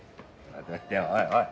いやおい